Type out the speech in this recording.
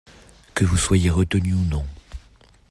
Que vous soyez retenue ou non.